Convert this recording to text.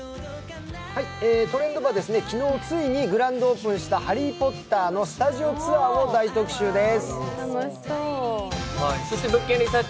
「トレンド部」は昨日ついにグランドオープンした「ハリー・ポッター」のスタジオツアーを大特集です。